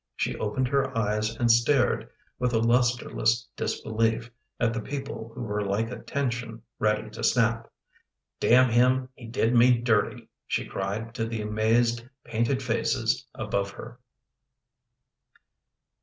She opened her eyes and stared, with a lustreless disbelief, at the people who were like a tension ready to snap. " Damn him, he did me dirty! " she cried to the amazed, painted faces above her.